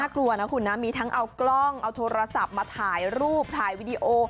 กลัวนะคุณนะมีทั้งเอากล้องเอาโทรศัพท์มาถ่ายรูปถ่ายวิดีโอ